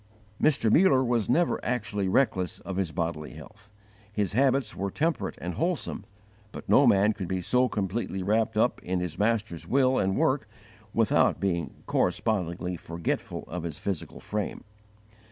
Mr. Muller was never actually reckless of his bodily health. His habits were temperate and wholesome, but no man could be so completely wrapped up in his Master's will and work without being correspondingly forgetful of his physical frame.